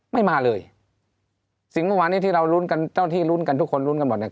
ไม่มาเลยสิ่งเมื่อวานนี้ที่เรารุ้นกันเจ้าที่ลุ้นกันทุกคนลุ้นกันหมดเนี่ย